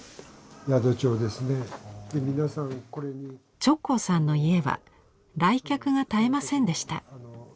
直行さんの家は来客が絶えませんでした。